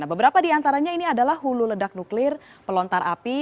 beberapa di antaranya ini adalah hulu ledak nuklir pelontar api